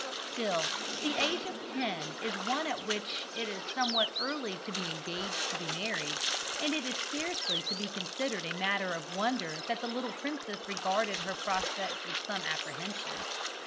Still, the age of ten is one at which it is somewhat early to be engaged to be married, and it is scarcely to be considered a matter of wonder that the little princess regarded her prospects with some apprehension.